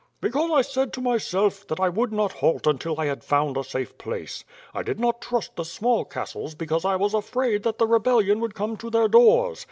"Because I said to myself, that I would not halt until I had found a safe place. I did not trust the small castles because I was afraid that the rebellion would come to their doors.